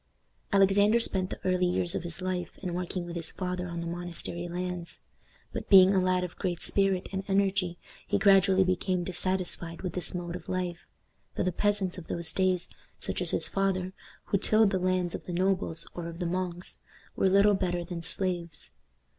Alexander spent the early years of his life in working with his father on the monastery lands; but, being a lad of great spirit and energy, he gradually became dissatisfied with this mode of life; for the peasants of those days, such as his father, who tilled the lands of the nobles or of the monks, were little better than slaves.